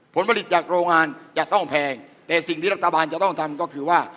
ผลผลิตจากโรงงานจะต้องแพงแต่สิ่งที่รัฐบาลจะต้องทำก็คือว่า